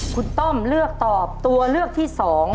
คุณต้อมเลือกตอบตัวเลือกที่๒